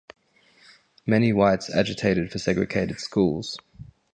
Many whites agitated for segregated schools.